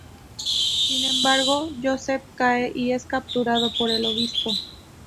Sin embargo, Joseph cae y es capturado por el obispo.